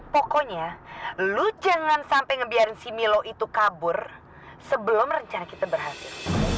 pokoknya lu jangan sampai ngebiarin simi lo itu kabur sebelum rencana kita berhasil